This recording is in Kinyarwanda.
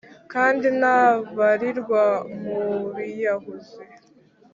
kandi ntabarirwa mu biyahuzi!